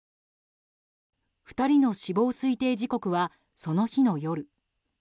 ２人の死亡推定時刻はその日の夜。